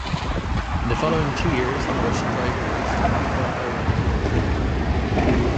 In the following two years the Russian driver raced in the Formula Renault Eurocup.